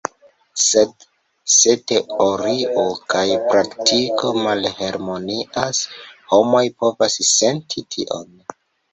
Sed se teorio kaj praktiko malharmonias, homoj povas senti tion.